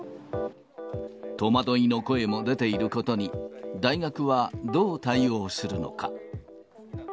戸惑いの声も出ていることに、大学はどう対応するのか。